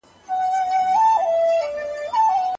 دولتي ادارې بايد منظمي وي.